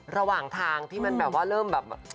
ระหว่างทางที่มันแบบว่าเริ่มแบบ